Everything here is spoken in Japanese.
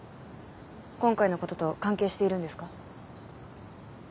今回のことと関係しているんですか。